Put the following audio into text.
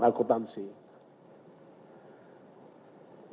yang ketiga pembangunan akutansi